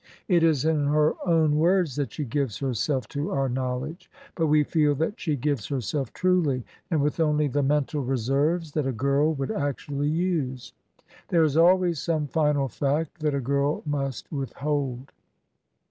It is in her own words that she gives herself to our knowledge, but we feel that she gives herself truly, and with only the mental reserves that a girl would actually use : there is always some final fact that a girl must withhold.